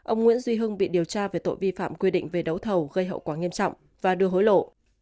ông nguyễn duy hưng bị điều tra về tội vi phạm quy định về đấu thầu gây hậu quả nghiêm trọng và đưa hối lộ